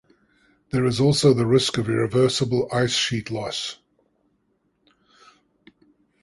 There is also the risk of irreversible ice sheet loss.